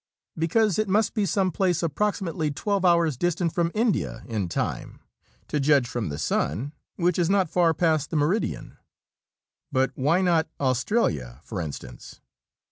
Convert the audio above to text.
"Because it must be some place approximately twelve hours distant from India in time, to judge from the sun, which is not far past the meridian." "But why not Australia, for instance?"